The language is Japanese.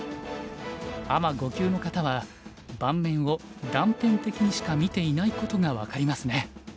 アマ５級の方は盤面を断片的にしか見ていないことが分かりますね。